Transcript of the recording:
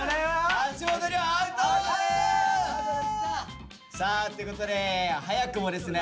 橋本さあということで早くもですね